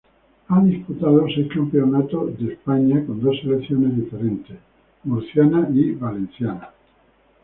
Ha disputado seis campeonatos de España con dos selecciones diferentes, Murciana y valenciana.